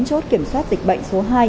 chốt kiểm soát dịch bệnh số hai